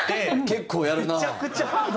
結構やるなあ。